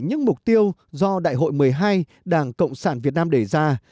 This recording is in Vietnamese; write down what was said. những mục tiêu do đại hội một mươi hai đảng cộng sản việt nam đề ra